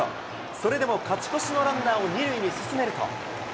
それでも勝ち越しのランナーを２塁に進めると。